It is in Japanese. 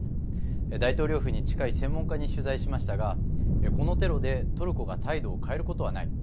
大統領府に近い専門家に取材しましたがこのテロで、トルコが態度を変えることはない。